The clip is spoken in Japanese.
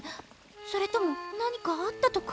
それとも何かあったとか！？